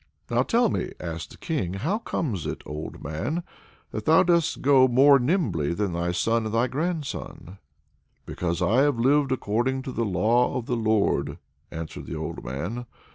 "Now tell me," asked the King, "how comes it, old man, that thou goest more nimbly than thy son and thy grandson?" "Because I lived according to the law of the Lord," answered the old man.